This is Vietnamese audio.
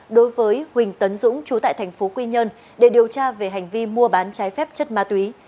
đối với huỳnh tấn dũng chú tại thành phố quy nhơn để điều tra về hành vi mua bán trái phép chất ma túy